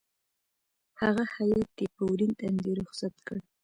هغه هېئت یې په ورین تندي رخصت کړ.